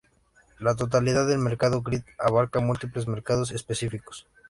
La totalidad del mercado grid abarca múltiples mercados específicos.